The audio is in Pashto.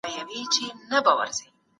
عائشې رضي الله عنها ورته وویل، چي ته کښينه.